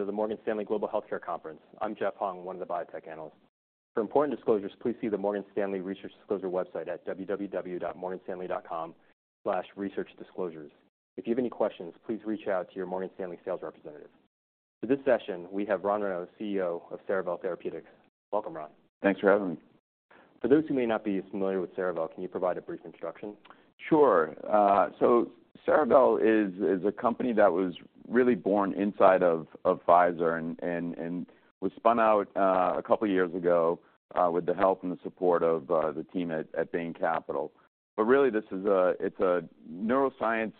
Welcome to the Morgan Stanley Global Healthcare Conference. I'm Jeff Hung, one of the biotech analysts. For important disclosures, please see the Morgan Stanley Research Disclosure website at www.morganstanley.com/researchdisclosures. If you have any questions, please reach out to your Morgan Stanley sales representative. For this session, we have Ron Renaud, CEO of Cerevel Therapeutics. Welcome, Ron. Thanks for having me. For those who may not be familiar with Cerevel, can you provide a brief introduction? Sure. So Cerevel is a company that was really born inside of Pfizer and was spun out a couple of years ago with the help and the support of the team at Bain Capital. But really, this is a it's a neuroscience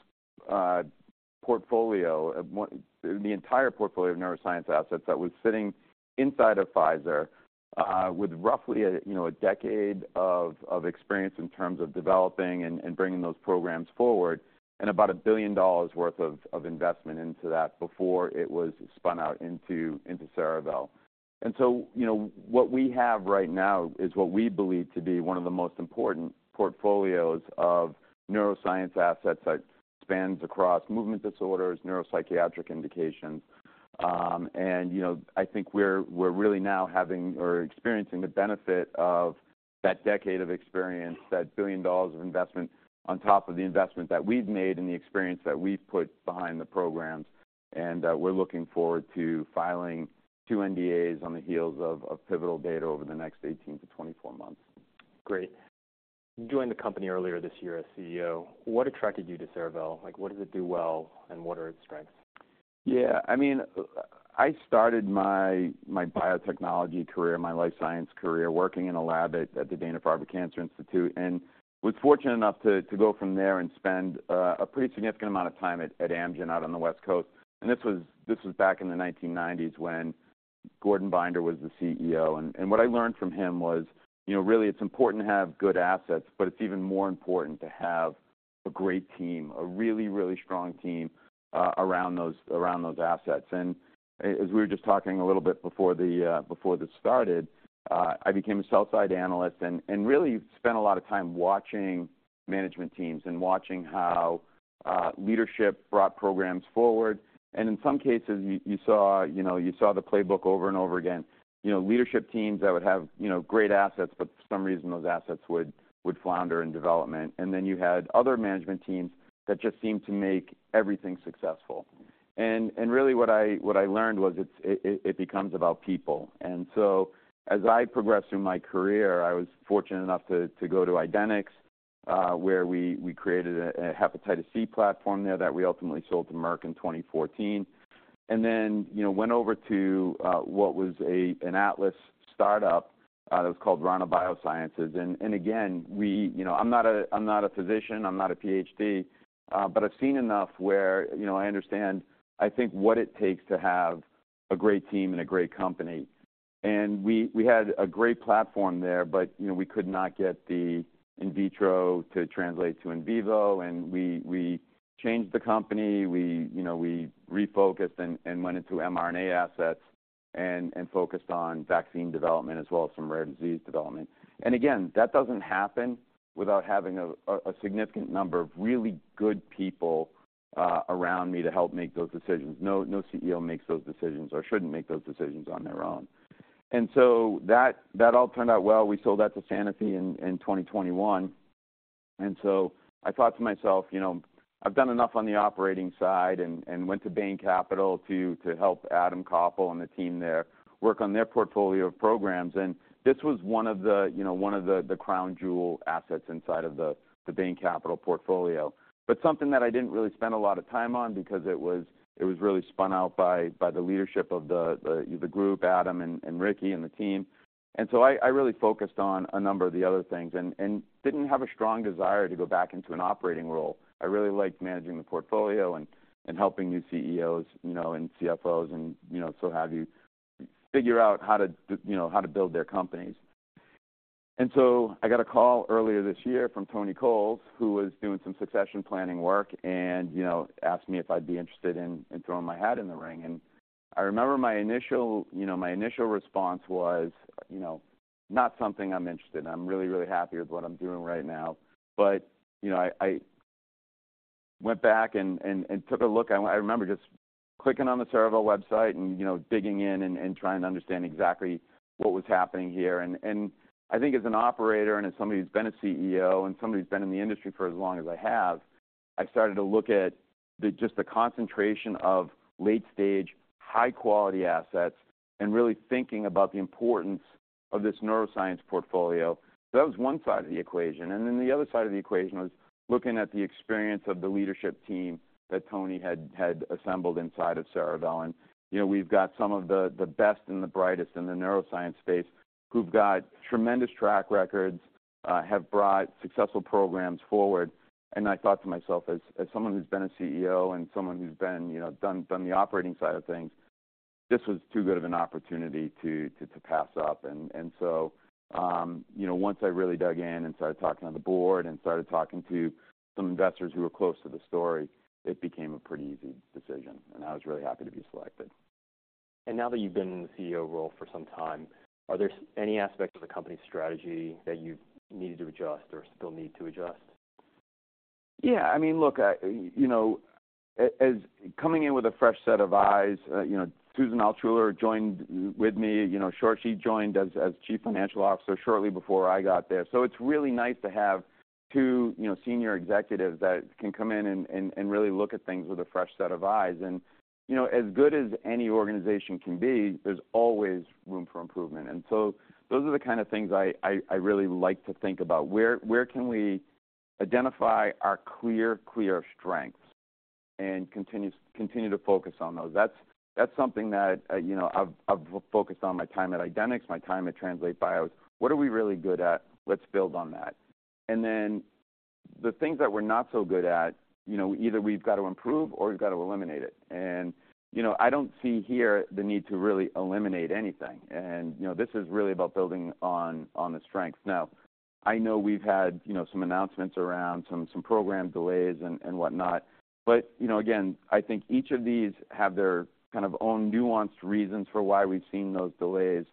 portfolio, the entire portfolio of neuroscience assets that was sitting inside of Pfizer with roughly a, you know, a decade of experience in terms of developing and bringing those programs forward, and about $1 billion worth of investment into that before it was spun out into Cerevel. And so, you know, what we have right now is what we believe to be one of the most important portfolios of neuroscience assets that spans across movement disorders, neuropsychiatric indications. you know, I think we're really now having or experiencing the benefit of that decade of experience, that $1 billion of investment on top of the investment that we've made and the experience that we've put behind the programs. We're looking forward to filing two NDAs on the heels of pivotal data over the next 18–24 months. Great. You joined the company earlier this year as CEO. What attracted you to Cerevel? Like, what does it do well, and what are its strengths? Yeah, I mean, I started my biotechnology career, my life science career, working in a lab at the Dana-Farber Cancer Institute, and was fortunate enough to go from there and spend a pretty significant amount of time at Amgen, out on the West Coast. And this was back in the 1990s when Gordon Binder was the CEO. And what I learned from him was, you know, really, it's important to have good assets, but it's even more important to have a great team, a really, really strong team around those assets. As we were just talking a little bit before this started, I became a sell-side analyst and really spent a lot of time watching management teams and watching how leadership brought programs forward. In some cases, you saw, you know, you saw the playbook over and over again. You know, leadership teams that would have, you know, great assets, but for some reason, those assets would flounder in development. Then you had other management teams that just seemed to make everything successful. And really what I learned was it's it becomes about people. And so as I progressed through my career, I was fortunate enough to go to Idenix, where we created a hepatitis C platform there that we ultimately sold to Merck in 2014. And then, you know, went over to what was an Atlas startup that was called RaNA Therapeutics. And again, we... You know, I'm not a physician, I'm not a Ph.D., but I've seen enough where, you know, I understand, I think, what it takes to have a great team and a great company. And we had a great platform there, but, you know, we could not get the in vitro to translate to in vivo, and we changed the company. We refocused and went into mRNA assets and focused on vaccine development as well as some rare disease development. And again, that doesn't happen without having a significant number of really good people around me to help make those decisions. No CEO makes those decisions or shouldn't make those decisions on their own. And so that all turned out well. We sold that to Sanofi in 2021. And so I thought to myself, "You know, I've done enough on the operating side," and went to Bain Capital to help Adam Koppel and the team there work on their portfolio of programs. And this was one of the, you know, crown jewel assets inside of the Bain Capital portfolio. But something that I didn't really spend a lot of time on because it was really spun out by the leadership of the group, Adam and Ricky and the team. And so I really focused on a number of the other things and didn't have a strong desire to go back into an operating role. I really liked managing the portfolio and helping new CEOs, you know, and CFOs and, you know, so figure out how to do you know, how to build their companies. And so I got a call earlier this year from Tony Coles, who was doing some succession planning work and, you know, asked me if I'd be interested in throwing my hat in the ring. And I remember my initial, you know, response was, you know, "Not something I'm interested in. I'm really, really happy with what I'm doing right now." But, you know, I went back and took a look. I remember just clicking on the Cerevel website and, you know, digging in and trying to understand exactly what was happening here. I think as an operator and as somebody who's been a CEO and somebody who's been in the industry for as long as I have, I started to look at just the concentration of late-stage, high-quality assets and really thinking about the importance of this neuroscience portfolio. So that was one side of the equation. And then the other side of the equation was looking at the experience of the leadership team that Tony had assembled inside of Cerevel. And, you know, we've got some of the best and the brightest in the neuroscience space who've got tremendous track records, have brought successful programs forward. And I thought to myself, as someone who's been a CEO and someone who's been, you know, done the operating side of things, this was too good of an opportunity to pass up. You know, once I really dug in and started talking to the board and started talking to some investors who were close to the story, it became a pretty easy decision, and I was really happy to be selected. Now that you've been in the CEO role for some time, are there any aspects of the company's strategy that you've needed to adjust or still need to adjust? Yeah, I mean, look, I, you know, as coming in with a fresh set of eyes, you know, Susan Altschuller joined with me. You know, sure, she joined as Chief Financial Officer shortly before I got there. So it's really nice to have two, you know, senior executives that can come in and and really look at things with a fresh set of eyes. And, you know, as good as any organization can be, there's always room for improvement. And so those are the kind of things I really like to think about. Where, where can we identify our clear, clear strengths and continue to focus on those? That's something that I, you know, I've focused on my time at Idenix, my time at Translate Bio. What are we really good at? Let's build on that. And then the things that we're not so good at, you know, either we've got to improve or we've got to eliminate it. And, you know, I don't see here the need to really eliminate anything. And, you know, this is really about building on the strengths. Now, I know we've had, you know, some announcements around some program delays and whatnot, but, you know, again, I think each of these have their kind of own nuanced reasons for why we've seen those delays.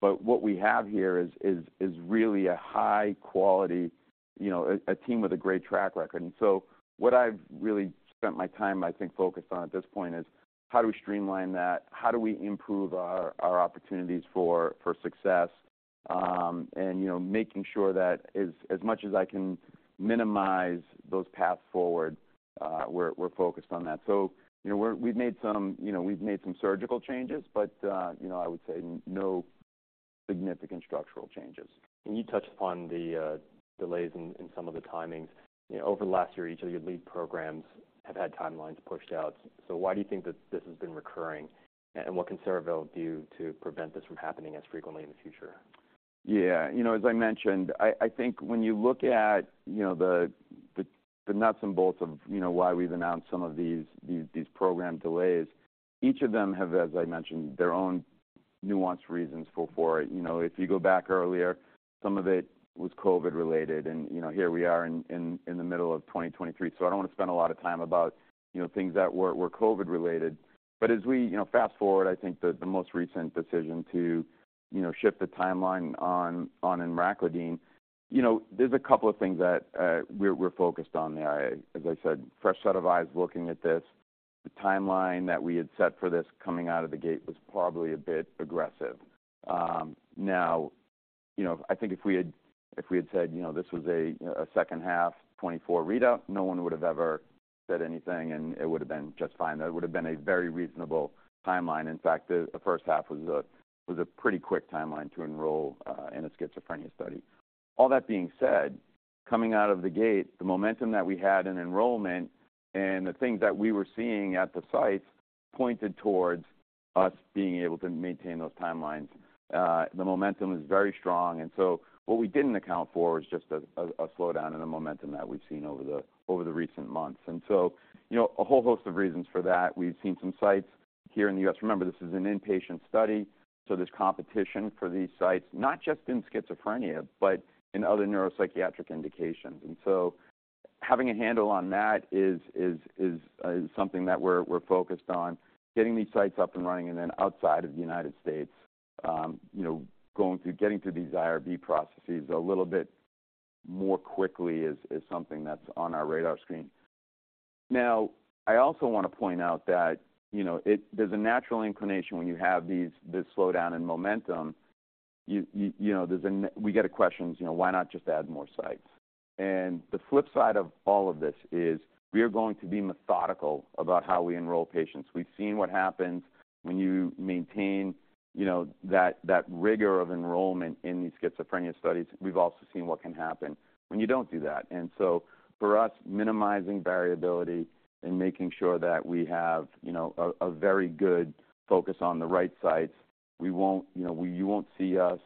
But what we have here is really a high quality, you know, a team with a great track record. And so what I've really spent my time, I think, focused on at this point is: how do we streamline that? How do we improve our opportunities for success? And, you know, making sure that as much as I can minimize those paths forward, we're focused on that. So, you know, we've made some, you know, surgical changes, but, you know, I would say no significant structural changes. You touched upon the delays in some of the timings. You know, over the last year, each of your lead programs have had timelines pushed out. So why do you think that this has been recurring? And what can Cerevel do to prevent this from happening as frequently in the future? Yeah, you know, as I mentioned, I think when you look at, you know, the nuts and bolts of, you know, why we've announced some of these program delays, each of them have, as I mentioned, their own nuanced reasons for it. You know, if you go back earlier, some of it was COVID-related, and, you know, here we are in the middle of 2023, so I don't want to spend a lot of time about, you know, things that were COVID-related. But as we, you know, fast-forward, I think the most recent decision to, you know, shift the timeline on emraclidine, you know, there's a couple of things that we're focused on there. As I said, fresh set of eyes looking at this. The timeline that we had set for this coming out of the gate was probably a bit aggressive. Now, you know, I think if we had said, you know, this was a second half 2024 readout, no one would have ever said anything, and it would have been just fine. That would have been a very reasonable timeline. In fact, the first half was a pretty quick timeline to enroll in a schizophrenia study. All that being said, coming out of the gate, the momentum that we had in enrollment and the things that we were seeing at the sites pointed towards us being able to maintain those timelines. The momentum is very strong, and so what we didn't account for was just a slowdown in the momentum that we've seen over the recent months. You know, a whole host of reasons for that. We've seen some sites here in the U.S. Remember, this is an inpatient study, so there's competition for these sites, not just in schizophrenia, but in other neuropsychiatric indications. And so having a handle on that is something that we're focused on, getting these sites up and running, and then outside of the United States, you know, getting through these IRB processes a little bit more quickly is something that's on our radar screen. Now, I also want to point out that, you know, there's a natural inclination when you have this slowdown in momentum, you know, we get questions, you know, why not just add more sites? The flip side of all of this is we are going to be methodical about how we enroll patients. We've seen what happens when you maintain, you know, that rigor of enrollment in these schizophrenia studies. We've also seen what can happen when you don't do that. For us, minimizing variability and making sure that we have, you know, a very good focus on the right sites, we won't. You know, you won't see us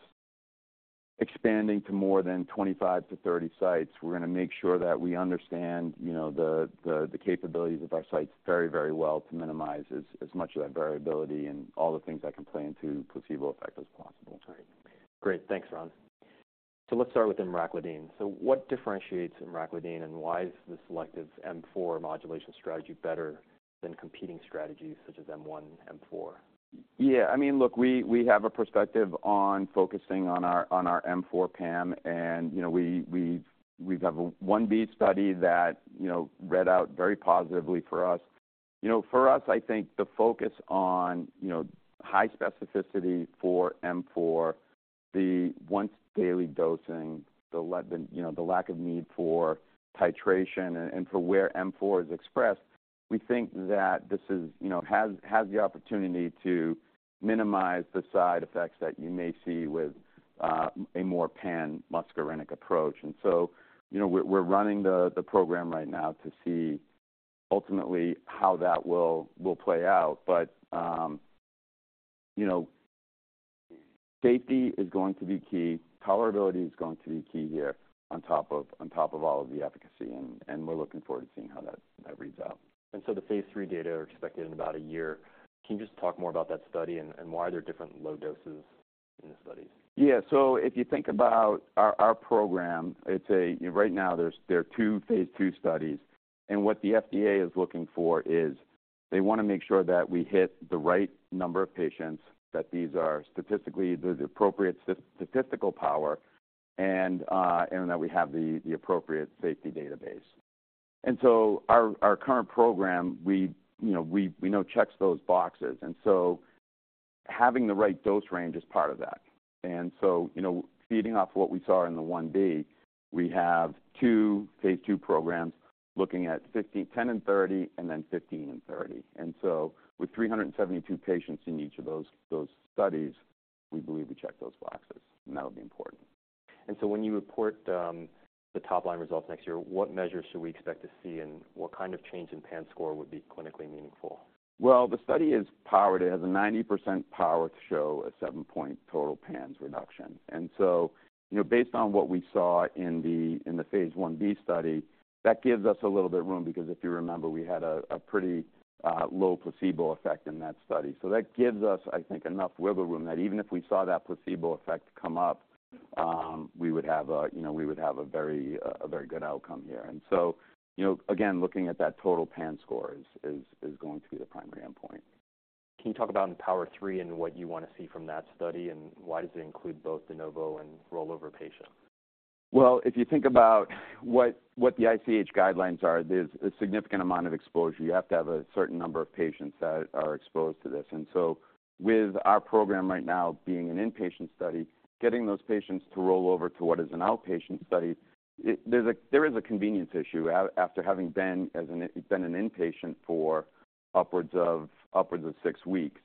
expanding to more than 25–30 sites. We're going to make sure that we understand, you know, the capabilities of our sites very, very well to minimize as much of that variability and all the things that can play into placebo effect as possible. Great. Thanks, Ron. So let's start with emraclidine. So what differentiates emraclidine, and why is the selective M4 modulation strategy better than competing strategies such as M1, M4? Yeah, I mean, look, we have a perspective on focusing on our M4 PAM, and, you know, we have a 1b study that, you know, read out very positively for us. You know, for us, I think the focus on, you know, high specificity for M4, the once-daily dosing, the, you know, the lack of need for titration and for where M4 is expressed, we think that this is, you know, has the opportunity to minimize the side effects that you may see with a more pan muscarinic approach. And so, you know, we're running the program right now to see ultimately how that will play out. You know, safety is going to be key, tolerability is going to be key here on top of, on top of all of the efficacy, and, and we're looking forward to seeing how that, that reads out. The phase 3 data are expected in about a year. Can you just talk more about that study and why are there different low doses in the studies? Yeah. So if you think about our program, it's... Right now, there are two phase 2 studies, and what the FDA is looking for is... They want to make sure that we hit the right number of patients, that these are statistically the appropriate statistical power, and that we have the appropriate safety database. And so our current program, you know, we know checks those boxes, and so having the right dose range is part of that. And so, you know, feeding off what we saw in the 1B, we have two phase 2 programs looking at 15, 10 and 30, and then 15 and 30. And so with 372 patients in each of those studies, we believe we check those boxes, and that would be important. When you report the top-line results next year, what measures should we expect to see, and what kind of change in PANSS score would be clinically meaningful? Well, the study is powered. It has a 90% power to show a 7–point total PANSS reduction. And so, you know, based on what we saw in the phase 1B study, that gives us a little bit of room, because if you remember, we had a pretty low placebo effect in that study. So that gives us, I think, enough wiggle room that even if we saw that placebo effect come up, we would have a, you know, we would have a very good outcome here. And so, you know, again, looking at that total PANSS score is going to be the primary endpoint. Can you talk about Empower III and what you want to see from that study, and why does it include both de novo and rollover patients? Well, if you think about what the ICH guidelines are, there's a significant amount of exposure. You have to have a certain number of patients that are exposed to this. And so with our program right now being an inpatient study, getting those patients to roll over to what is an outpatient study, there's a convenience issue. After having been an inpatient for upwards of six weeks,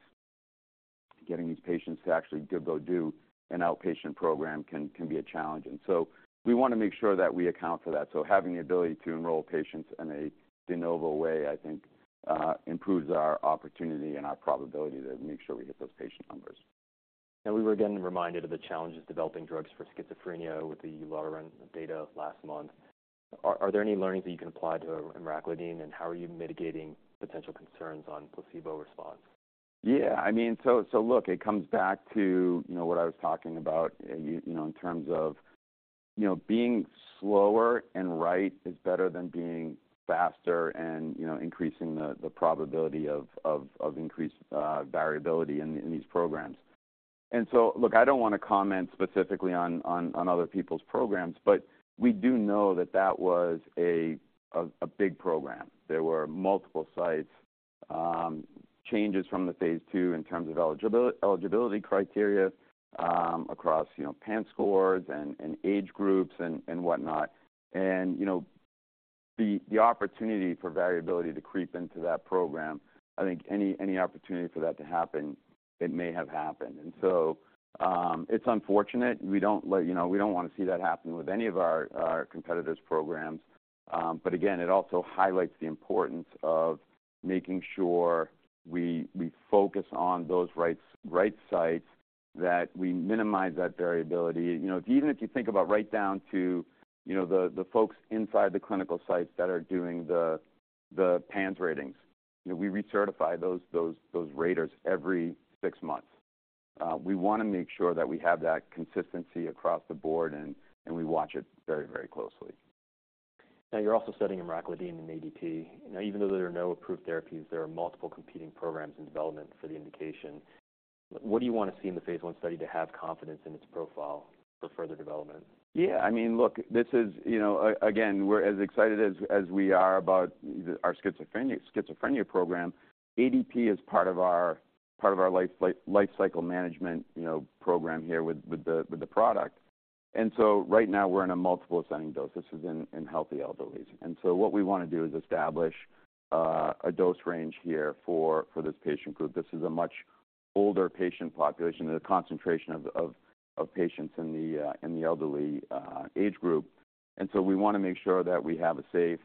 getting these patients to actually go do an outpatient program can be a challenge. And so we want to make sure that we account for that. So having the ability to enroll patients in a de novo way, I think, improves our opportunity and our probability to make sure we hit those patient numbers. We were again reminded of the challenges of developing drugs for schizophrenia with the Lurelin data last month. Are there any learnings that you can apply to emraclidine, and how are you mitigating potential concerns on placebo response? Yeah, I mean, so look, it comes back to, you know, what I was talking about, you know, in terms of, you know, being slower and right is better than being faster and, you know, increasing the probability of increased variability in these programs. So look, I don't want to comment specifically on other people's programs, but we do know that that was a big program. There were multiple sites, changes from the phase two in terms of eligibility criteria, across, you know, PANSS scores and age groups and whatnot. And, you know, the opportunity for variability to creep into that program, I think any opportunity for that to happen, it may have happened. So it's unfortunate. We don't like... You know, we don't want to see that happen with any of our competitors' programs. But again, it also highlights the importance of making sure we focus on those right, right sites, that we minimize that variability. You know, even if you think about right down to, you know, the folks inside the clinical sites that are doing the PANSS ratings, you know, we recertify those raters every six months. We want to make sure that we have that consistency across the board, and we watch it very, very closely. Now, you're also studying emraclidine in ADP. Now, even though there are no approved therapies, there are multiple competing programs in development for the indication. What do you want to see in the phase 1 study to have confidence in its profile for further development? Yeah, I mean, look, this is... You know, again, we're as excited as we are about our schizophrenia program. ADP is part of our life cycle management, you know, program here with the product. And so right now, we're in a multiple ascending dose. This is in healthy elderly. And so what we want to do is establish a dose range here for this patient group. This is a much older patient population and a concentration of patients in the elderly age group. And so we want to make sure that we have a safe,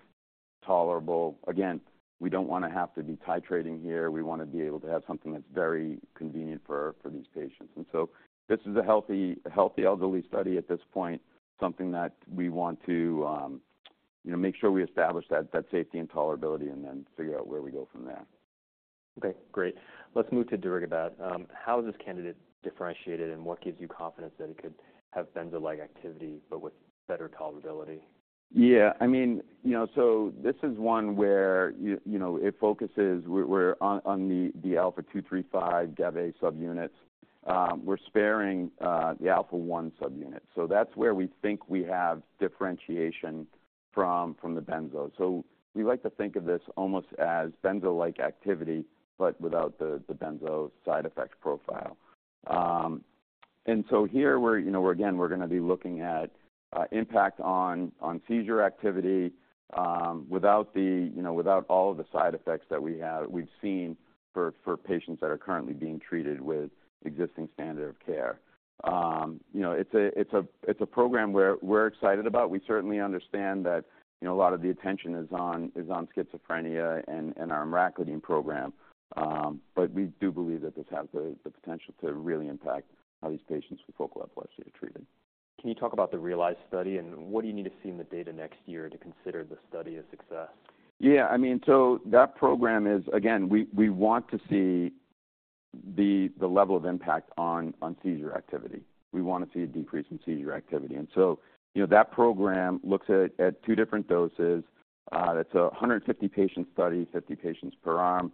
tolerable... Again, we don't want to have to be titrating here. We want to be able to have something that's very convenient for these patients. So this is a healthy, healthy elderly study at this point, something that we want to, you know, make sure we establish that, that safety and tolerability and then figure out where we go from there. Okay, great. Let's move to darigabat. How is this candidate differentiated, and what gives you confidence that it could have benzo-like activity but with better tolerability? Yeah, I mean, you know, so this is one where you know it focuses on the alpha 2, 3, 5 GABAA subunits. We're sparing the alpha 1 subunit. So that's where we think we have differentiation from the benzo. So we like to think of this almost as benzo-like activity, but without the benzo side effect profile. And so here we're you know we're gonna be looking at impact on seizure activity without all of the side effects that we've seen for patients that are currently being treated with existing standard of care. You know, it's a program we're excited about. We certainly understand that you know a lot of the attention is on schizophrenia and our emraclidine program. But we do believe that this has the potential to really impact how these patients with focal epilepsy are treated. Can you talk about the REALISE study, and what do you need to see in the data next year to consider the study a success? Yeah, I mean, so that program is. Again, we want to see the level of impact on seizure activity. We wanna see a decrease in seizure activity. And so, you know, that program looks at two different doses. It's a 150-patient study, 50 patients per arm,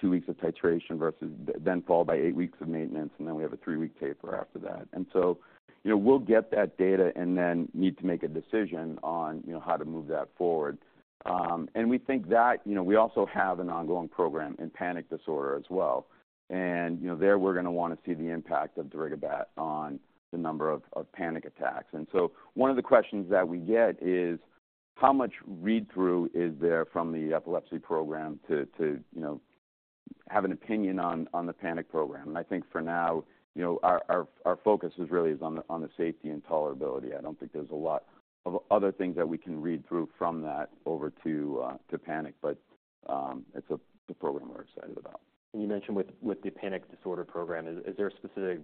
2 weeks of titration versus then followed by 8 weeks of maintenance, and then we have a 3-week taper after that. And so, you know, we'll get that data and then need to make a decision on, you know, how to move that forward. And we think that, you know, we also have an ongoing program in panic disorder as well. And, you know, there, we're gonna wanna see the impact of darigabat on the number of panic attacks. And so one of the questions that we get is: How much read-through is there from the epilepsy program to, you know, have an opinion on the panic program? And I think for now, you know, our focus is really on the safety and tolerability. I don't think there's a lot of other things that we can read through from that over to panic, but it's a program we're excited about. You mentioned with the panic disorder program, is there a specific,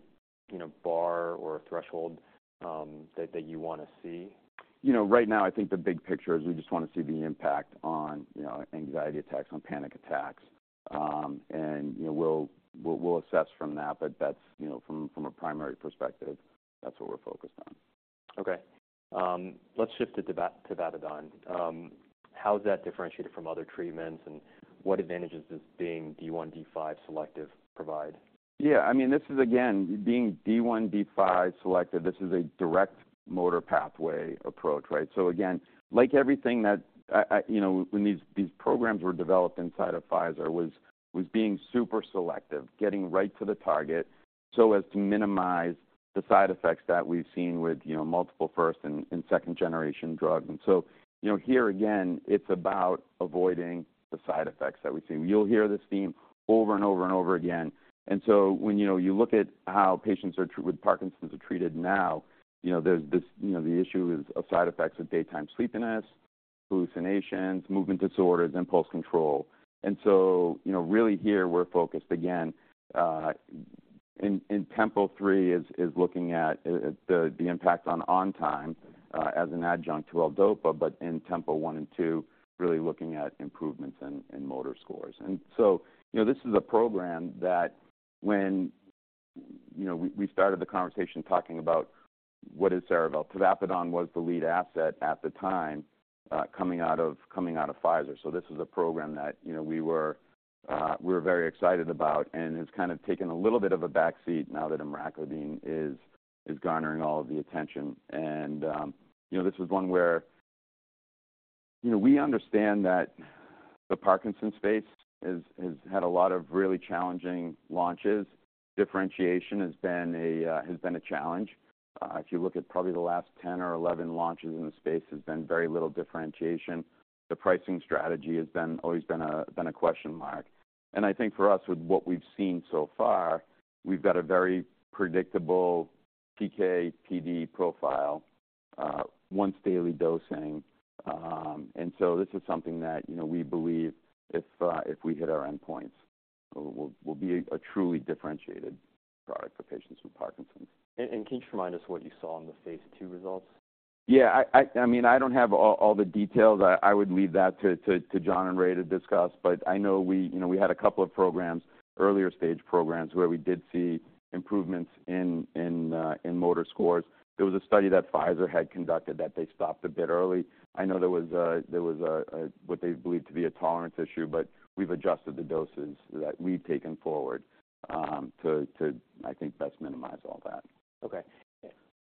you know, bar or a threshold that you wanna see? You know, right now, I think the big picture is we just wanna see the impact on, you know, anxiety attacks, on panic attacks. And, you know, we'll assess from that, but that's, you know, from a primary perspective, that's what we're focused on. Okay. Let's shift it to tavapadon. How is that differentiated from other treatments, and what advantages does being D1/D5 selective provide? Yeah, I mean, this is again, being D1/D5 selective, this is a direct motor pathway approach, right? So again, like everything that I... You know, when these programs were developed inside of Pfizer was being super selective, getting right to the target, so as to minimize the side effects that we've seen with, you know, multiple first and second-generation drugs. And so, you know, here again, it's about avoiding the side effects that we've seen. You'll hear this theme over and over and over again. And so when, you know, you look at how patients with Parkinson's are treated now, you know, there's this, you know, the issue is of side effects of daytime sleepiness, hallucinations, movement disorders, impulse control. And so, you know, really here, we're focused, again, in TEMPO-3 is looking at the impact on on-time as an adjunct to L-dopa, but in TEMPO 1 and 2, really looking at improvements in motor scores. And so, you know, this is a program that when, you know, we started the conversation talking about what is Cerevel? Tavapadon was the lead asset at the time, coming out of Pfizer. So this is a program that, you know, we're very excited about, and it's kind of taken a little bit of a back seat now that emraclidine is garnering all of the attention. And, you know, this is one where... You know, we understand that the Parkinson's space has had a lot of really challenging launches. Differentiation has been a challenge. If you look at probably the last 10 or 11 launches in the space, there's been very little differentiation. The pricing strategy has always been a question mark. And I think for us, with what we've seen so far, we've got a very predictable PK/PD profile, once-daily dosing. And so this is something that, you know, we believe if we hit our endpoints, will be a truly differentiated product for patients with Parkinson's. Can you just remind us what you saw in the phase 2 results? Yeah, I mean, I don't have all the details. I would leave that to John and Ray to discuss. But I know we, you know, we had a couple of programs, earlier-stage programs, where we did see improvements in motor scores. There was a study that Pfizer had conducted that they stopped a bit early. I know there was what they believed to be a tolerance issue, but we've adjusted the doses that we've taken forward to, I think, best minimize all that. Okay.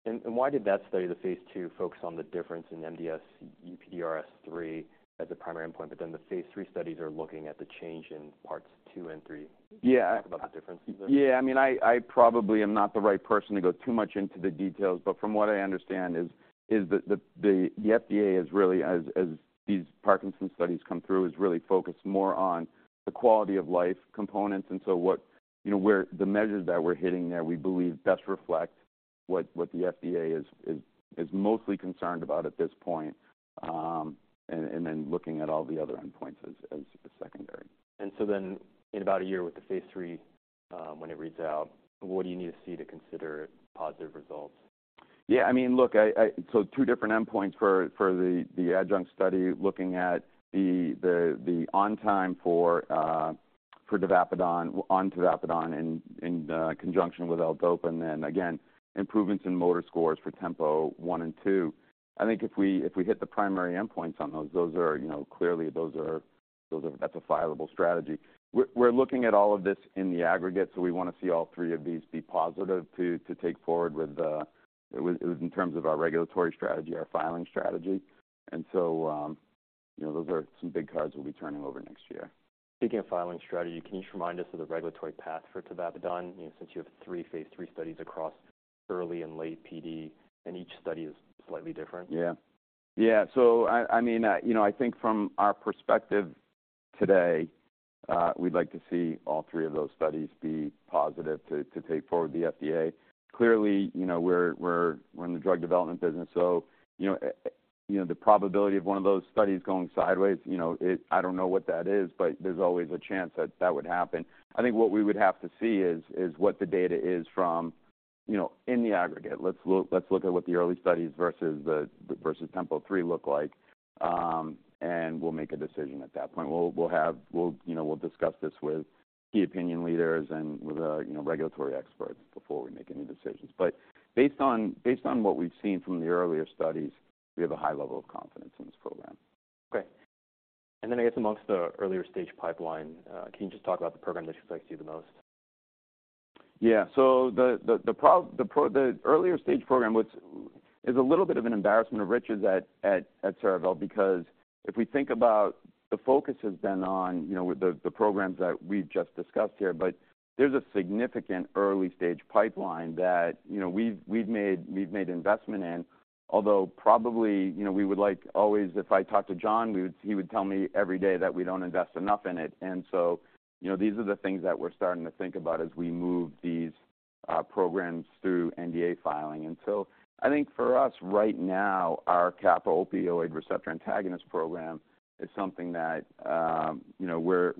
And why did that study, the phase 2, focus on the difference in MDS-UPDRS III as a primary endpoint, but then the phase 3 studies are looking at the change in parts 2 and 3? Yeah. Talk about the differences there. Yeah, I mean, I probably am not the right person to go too much into the details, but from what I understand is that the FDA has really, as these Parkinson's studies come through, is really focused more on the quality of life components. And so what... You know, where the measures that we're hitting there, we believe, best reflect what the FDA is mostly concerned about at this point, and then looking at all the other endpoints as secondary. So then, in about a year, with the phase 3, when it reads out, what do you need to see to consider it positive results? Yeah, I mean, look, I. So two different endpoints for the adjunct study, looking at the on-time for tavapadon, on tavapadon in conjunction with L-dopa, and then again, improvements in motor scores for TEMPO 1 and 2. I think if we hit the primary endpoints on those, those are, you know, clearly. That's a fileable strategy. We're looking at all of this in the aggregate, so we wanna see all three of these be positive to take forward with in terms of our regulatory strategy, our filing strategy. And so, you know, those are some big cards we'll be turning over next year. Speaking of filing strategy, can you just remind us of the regulatory path for tavapadon, you know, since you have 3 phase 3 studies across early and late PD, and each study is slightly different? Yeah. Yeah. So I mean, you know, I think from our perspective today, we'd like to see all three of those studies be positive to take forward the FDA. Clearly, you know, we're in the drug development business, so, you know, the probability of one of those studies going sideways, you know, I don't know what that is, but there's always a chance that that would happen. I think what we would have to see is what the data is, you know, in the aggregate, let's look at what the early studies versus the versus Tempo Three look like, and we'll make a decision at that point. We'll have, you know, we'll discuss this with key opinion leaders and with, you know, regulatory experts before we make any decisions. But based on what we've seen from the earlier studies, we have a high level of confidence in this program. Okay. And then, I guess, amongst the earlier stage pipeline, can you just talk about the program that excites you the most? Yeah. So the earlier stage program, which is a little bit of an embarrassment of riches at Cerevel, because if we think about the focus has been on, you know, with the programs that we've just discussed here. But there's a significant early stage pipeline that, you know, we've made investment in. Although probably, you know, we would like always, if I talked to John, we would - he would tell me every day that we don't invest enough in it. And so, you know, these are the things that we're starting to think about as we move these programs through NDA filing. And so I think for us, right now, our kappa-opioid receptor antagonist program is something that, you know, we're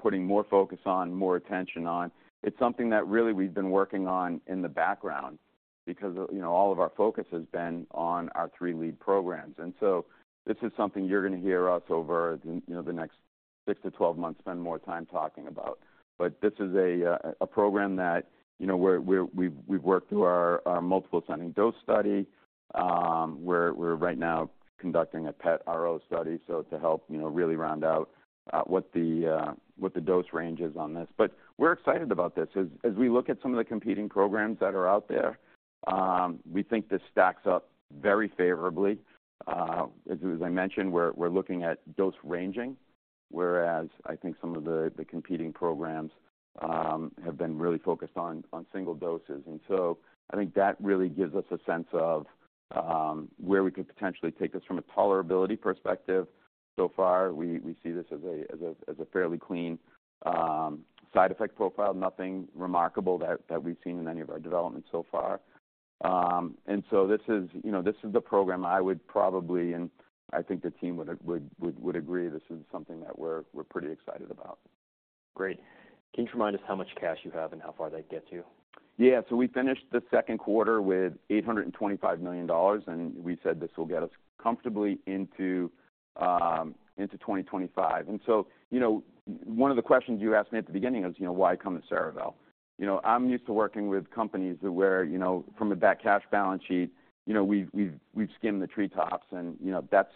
putting more focus on, more attention on. It's something that really we've been working on in the background because, you know, all of our focus has been on our 3 lead programs. And so this is something you're gonna hear us over the, you know, the next 6-12 months, spend more time talking about. But this is a a program that, you know, we've worked through our multiple ascending dose study. We're right now conducting a PET RO study, so to help, you know, really round out what the dose range is on this. But we're excited about this. As we look at some of the competing programs that are out there, we think this stacks up very favorably. As I mentioned, we're looking at dose ranging, whereas I think some of the competing programs have been really focused on single doses. And so I think that really gives us a sense of where we could potentially take this from a tolerability perspective. So far, we see this as a fairly clean side effect profile. Nothing remarkable that we've seen in any of our developments so far. And so this is, you know, this is the program I would probably, and I think the team would agree, this is something that we're pretty excited about. Great. Can you remind us how much cash you have and how far that gets you? Yeah. So we finished the second quarter with $825 million, and we said this will get us comfortably into 2025. And so, you know, one of the questions you asked me at the beginning was, you know, why come to Cerevel? You know, I'm used to working with companies where, you know, from a back cash balance sheet, you know, we've skimmed the treetops and, you know, that's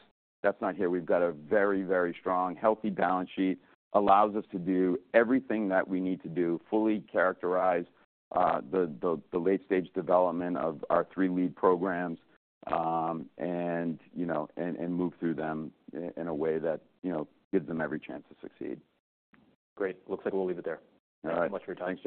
not here. We've got a very, very strong, healthy balance sheet. Allows us to do everything that we need to do, fully characterize the late stage development of our three lead programs, and, you know, and move through them in a way that, you know, gives them every chance to succeed. Great. Looks like we'll leave it there. All right. Thank you so much for your time.